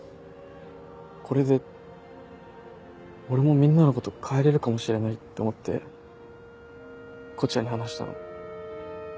これで俺もみんなのこと変えれるかもしれないって思って東風谷に話したの。